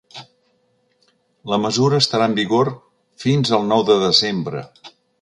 La mesura estarà en vigor fins al nou de desembre.